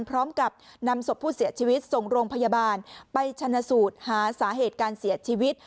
พร้อมกับนำศพผู้เสียชีวิตส่งโรงพยาบาลไปชนะสูตรหาสาเหตุการเสียชีวิต